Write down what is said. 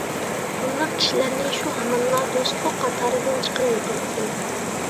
بۇنداق كىشىلەرنى شۇ ھامانلا دوستلۇق قاتارىدىن چىقىرىۋېتەتتىم.